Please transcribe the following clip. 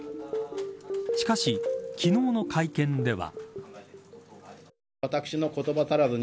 しかし、昨日の会見では。